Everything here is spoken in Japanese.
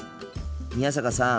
宮坂さん。